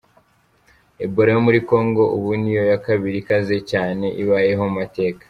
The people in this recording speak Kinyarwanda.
"Ebola yo muri Kongo ubu ni yo ya kabiri ikaze cyane ibayeho mu mateka.